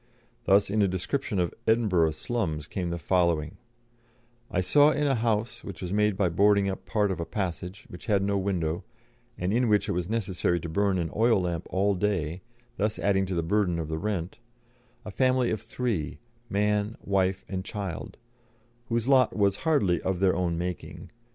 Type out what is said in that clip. Thus in a description of Edinburgh slums came the following: "I saw in a 'house' which was made by boarding up part of a passage, which had no window, and in which it was necessary to burn an oil lamp all day, thus adding to the burden of the rent, a family of three man, wife, and child whose lot was hardly 'of their own making.'